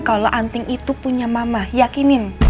kalau anting itu punya mama yakinin